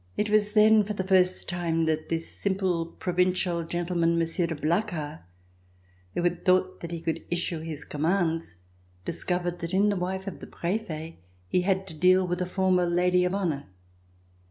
It was then for the first time that this simple provincial gentleman, Monsieur de Blacas, who had thought that he could issue his commands, discovered that in the wife of the Prefet he had to deal with a former Lady of Honor.